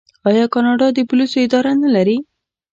آیا کاناډا د پولیسو اداره نلري؟